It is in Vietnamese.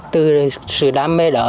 từ sự đam mê đó